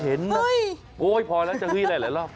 โอ๊ยพอแล้วจะขี้หลายรอบ